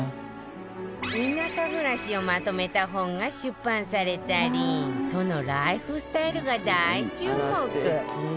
田舎暮らしをまとめた本が出版されたりそのライフスタイルが大注目。